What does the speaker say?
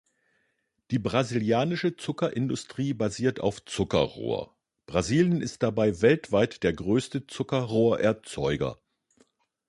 Die brasilianische Zuckerindustrie basiert auf Zuckerrohr; Brasilien ist dabei weltweit der größte Zuckerrohr-Erzeuger.